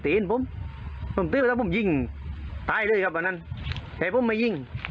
เห็นผมผมตื้อไปแล้วผมยิงตายเลยครับวันนั้นแต่ผมมายิง